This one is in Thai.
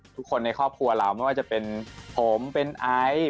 ทุกคนในครอบครัวเราไม่ว่าจะเป็นผมเป็นไอซ์